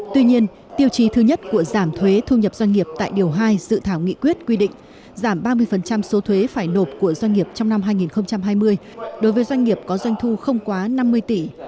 tuy nhiên tiêu chí thứ nhất của giảm thuế thu nhập doanh nghiệp tại điều hai dự thảo nghị quyết quy định giảm ba mươi số thuế phải nộp của doanh nghiệp trong năm hai nghìn hai mươi đối với doanh nghiệp có doanh thu không quá năm mươi tỷ